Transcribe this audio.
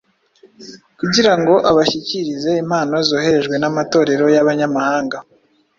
kugira ngo abashyikirize impano zoherejwe n’amatorero y’abanyamahanga